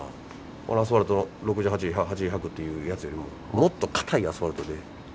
このアスファルトの６０−８０８０−１００っていうやつよりももっと硬いアスファルトで。